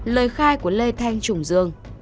bốn lời khai của lê thanh trùng dương